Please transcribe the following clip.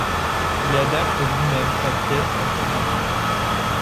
Il adapte lui-même sa pièce en scénario.